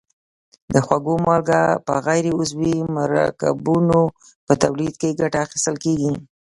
د خوړو مالګه په غیر عضوي مرکبونو په تولید کې ګټه اخیستل کیږي.